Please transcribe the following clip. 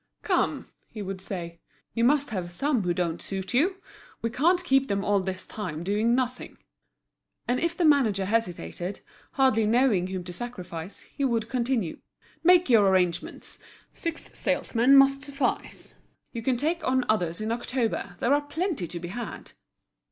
"Come," he would say, "you must have some who don't suit you. We can't keep them all this time doing nothing." And if the manager hesitated, hardly knowing whom to sacrifice, he would continue; "Make your arrangements, six salesmen must suffice; you can take on others in October, there are plenty to be had!"